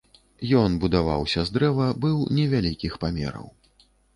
Ён будаваўся з дрэва, быў невялікіх памераў.